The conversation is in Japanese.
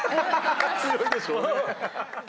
強いでしょうね。